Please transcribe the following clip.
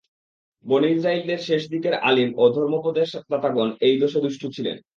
বনী ইসরাঈলের শেষ দিকের আলিম ও ধর্মোপদেশদাতাগণ এই দোষে দুষ্ট ছিলেন।